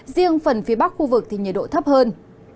riêng phần phía bắc khu vực thì nhiệt độ thấp hơn